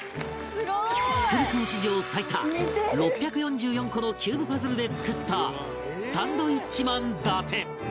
創君史上最多６４４個のキューブパズルで作ったサンドウィッチマン伊達